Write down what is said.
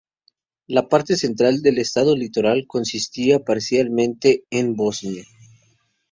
La parte central del estado Litoral consistía parcialmente de Bosnia.